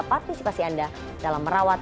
partisipasi anda dalam merawat